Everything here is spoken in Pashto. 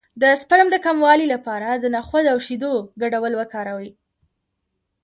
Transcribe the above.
د سپرم د کموالي لپاره د نخود او شیدو ګډول وکاروئ